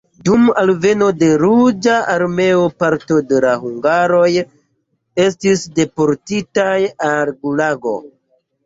Dum alveno de Ruĝa Armeo parto de la hungaroj estis deportitaj al gulago.